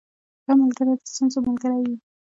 • ښه ملګری د ستونزو ملګری وي.